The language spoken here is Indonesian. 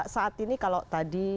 saat ini kalau tadi